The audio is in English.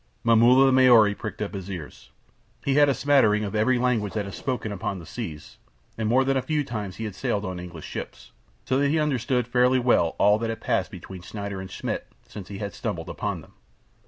Momulla the Maori pricked up his ears. He had a smattering of every tongue that is spoken upon the seas, and more than a few times had he sailed on English ships, so that he understood fairly well all that had passed between Schneider and Schmidt since he had stumbled upon them.